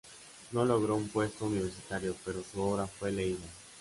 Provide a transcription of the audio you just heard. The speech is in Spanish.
No logró un puesto universitario, pero su obra fue muy leída.